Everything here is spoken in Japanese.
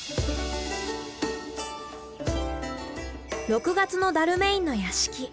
６月のダルメインの屋敷。